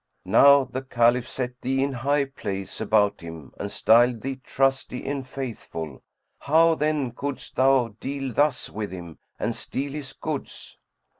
Now the Caliph set thee in high place about him and styled thee 'Trusty' and 'Faithful'; how then couldst thou deal thus with him and steal his goods?"